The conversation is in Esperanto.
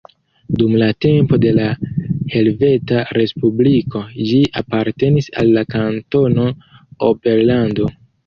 Dum la tempo de la Helveta Respubliko ĝi apartenis al la Kantono Oberlando.